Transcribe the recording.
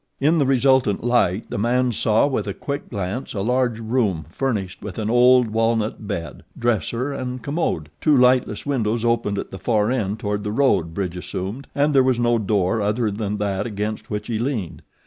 In the resultant light the man saw with a quick glance a large room furnished with an old walnut bed, dresser, and commode; two lightless windows opened at the far end toward the road, Bridge assumed; and there was no door other than that against which he leaned.